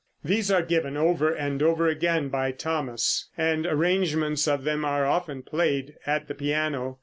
These are given over and over again by Thomas, and arrangements of them are often played at the piano.